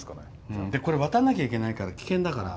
渡んなきゃいけないから危険だから。